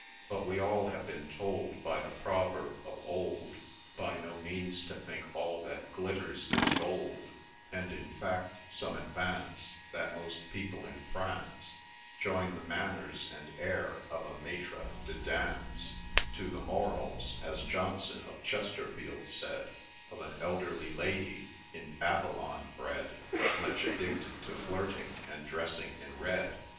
But we all have been told, By the proverb of old, By no means to think ' all that glitters is gold ;' And, in fact, some advance That most people in France Join the manners and air of a MaUre de Danse, To the morals — (as Johnson of Chesterfield said) — Of an elderly Lady, in Babylon bred, Much addicted to flirting, and dressing in red.